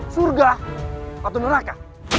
surga atau neraka